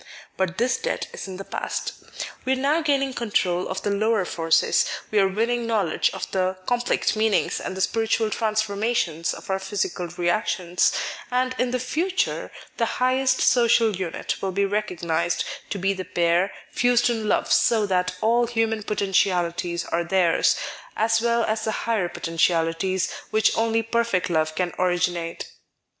But this debt is in the past. We are now gaining control of the lower forces, we are winning knowledge of the complex meanings and the spiritual transformations of our physical reactions, and in the future the highest social unit will be recognised to be the pair, fused in love so that all human potentialities are theirs, as well as the higher potentialities which only perfect love can originate.